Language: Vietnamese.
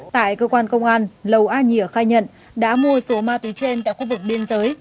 tại cơ quan công an lầu a nhìa khai nhận đã mua số ma túy trên tại khu vực biên giới